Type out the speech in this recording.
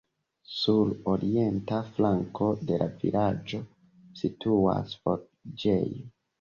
Sur orienta flanko de la vilaĝo situas forĝejo.